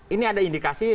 ini ada indikasi